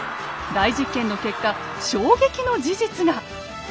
大実験の結果衝撃の事実が！